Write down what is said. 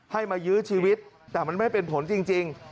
ให้มายื้อชีวิตแต่มันไม่เป็นผลจริง